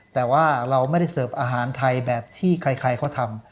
แต่ว่าเราไม่ได้เสิร์ฟอาหารไทยแบบที่ใครเขาทำ